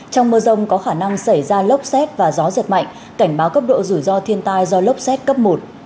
trong mưa rông có khả năng xảy ra lốc xét và gió giật mạnh cảnh báo cấp độ rủi ro thiên tai do lốc xét cấp một